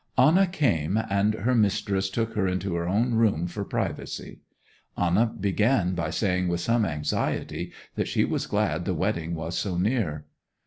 Anna came, and her mistress took her into her own room for privacy. Anna began by saying with some anxiety that she was glad the wedding was so near.